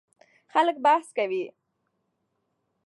خلک بحث کوي.